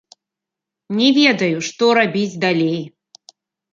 Не ведаю, што рабіць далей.